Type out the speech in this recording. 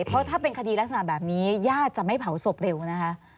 เพราะถ้าเป็นคดีลักษณะแบบนี้ญาติจะไม่เผาศพเร็วนะคะ